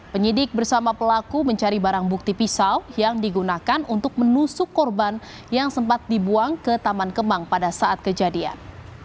penyidik bersama pelaku mencari barang bukti pisau yang digunakan untuk menusuk korban yang sempat dibuang ke taman kemang pada saat kejadian